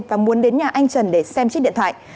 và muốn đến nhà anh trần để xem chiếc điện thoại